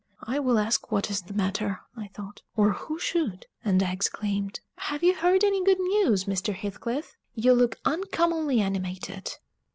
"I will ask what is the matter," I thought, "or who should?" And I exclaimed, "Have you heard any good news, Mr. Heathcliff? You look uncommonly animated."